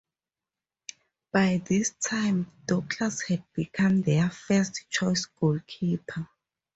By this time, Douglas had become their first-choice goalkeeper.